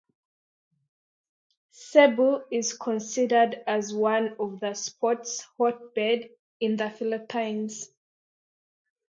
Cebu is considered as one of the sports hotbed in the Philippines.